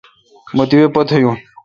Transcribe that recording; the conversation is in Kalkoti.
مہ تیپہ پتھ یون۔